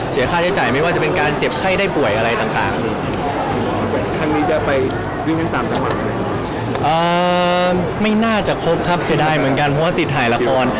เสียดายเหมือนกันเพราะว่าติดถ่ายละคร